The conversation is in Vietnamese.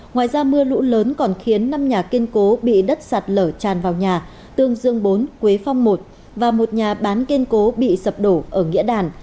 ngoài ra mưa lũ lớn còn khiến năm nhà kiên cố bị đất sạt lở tràn vào nhà tương dương bốn quế phong một và một nhà bán kiên cố bị sập đổ ở nghĩa đàn